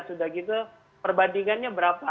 sudah gitu perbandingannya berapa